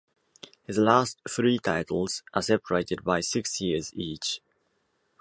His last three titles are separated by six years each.